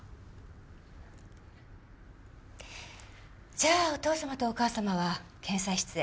じゃあお父様とお母様は検査室へ。